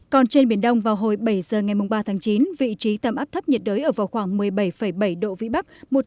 còn trên biển đông vào hồi bảy giờ ngày ba tháng chín vị trí tâm áp thấp nhiệt đới ở vào khoảng một mươi bảy bảy độ vĩ bắc